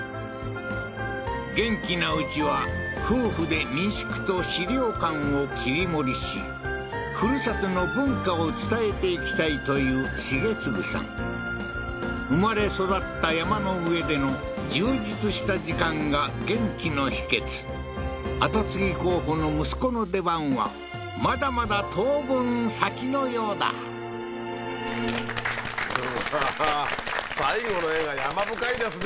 元気なうちは夫婦で民宿と資料館を切り盛りしふるさとの文化を伝えていきたいという重継さん生まれ育った山の上での充実した時間が元気の秘けつ跡継ぎ候補の息子の出番はまだまだ当分先のようだはははっ最後の画が山深いですね